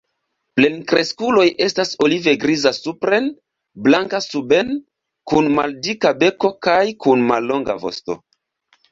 Plenkreskuloj estas olive-griza supren, blanka suben, kun maldika beko kaj kun mallonga vosto.